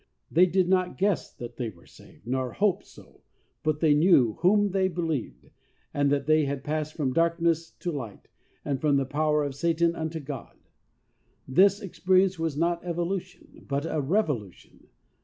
They did not guess that they were saved, nor "hope" so, but they knew "whom they believed," and that they had passed from darkness to light and from the power of Satan unto God." This experience was not evolution, but a revolution.